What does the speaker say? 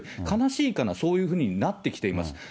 悲しいかな、そういうふうになってきています。